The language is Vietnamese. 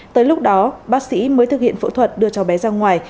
tới lúc đó bác sĩ mới thực hiện phẫu thuật đưa cháu bé ra ngoài